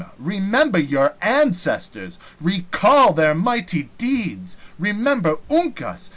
Remember your ancestors! Recall their mighty deeds! Remember Uncas!